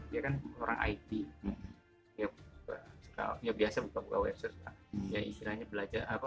dia kan orang it ya biasa buka buka website ya istilahnya belajar apa